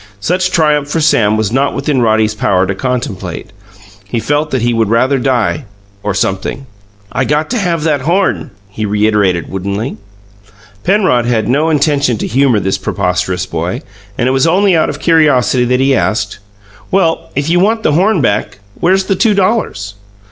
Such triumph for Sam was not within Roddy's power to contemplate; he felt that he would rather die, or sumpthing. "I got to have that horn!" he reiterated woodenly. Penrod had no intention to humour this preposterous boy, and it was only out of curiosity that he asked, "Well, if you want the horn back, where's the two dollars?"